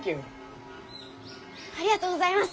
ありがとうございます。